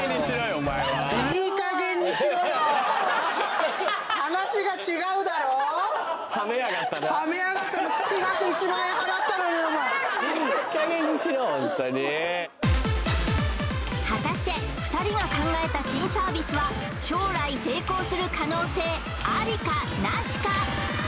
お前は月額１万円払ったのにいいかげんにしろホントに果たして２人が考えた新サービスは将来成功する可能性ありかなしか？